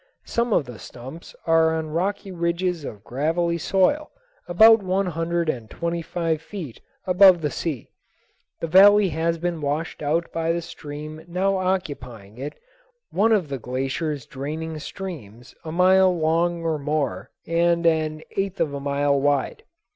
Some of the stumps are on rocky ridges of gravelly soil about one hundred and twenty five feet above the sea. The valley has been washed out by the stream now occupying it, one of the glacier's draining streams a mile long or more and an eighth of a mile wide.